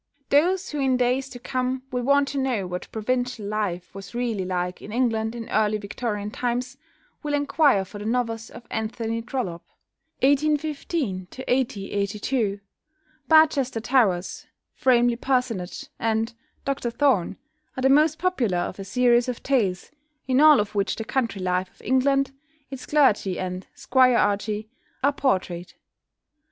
Those who in days to come will want to know what provincial life was really like in England in early Victorian times will enquire for the novels of =Anthony Trollope (1815 1822)=. "Barchester Towers," "Framley Parsonage," and "Dr Thorne," are the most popular of a series of tales, in all of which the country life of England, its clergy and squirearchy, are portrayed.